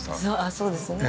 そうですね。